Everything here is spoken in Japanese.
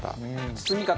包み方。